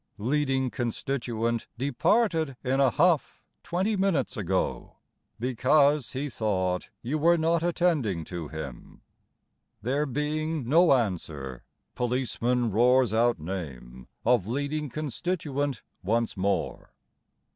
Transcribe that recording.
Leading constituent departed in a huff twenty minutes ago, Because he thought you were not attending to him. There being no answer, Policeman roars out name of leading constituent once more.